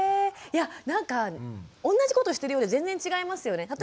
いやなんか同じことしてるようで全然違いますよね。